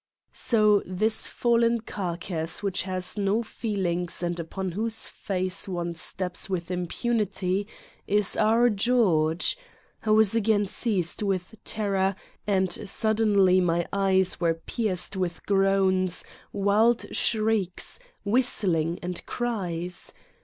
So, this fallen carcass which has no feelings and upon whose face one steps with impunity is our George ! I was again seized with terror and sud denly my ears were pierced with groans, wild 14 Satan's Diary shrieks, whistlings and cries!